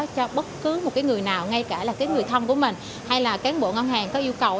cho bất cứ một người nào ngay cả người thân của mình hay là cán bộ ngân hàng có yêu cầu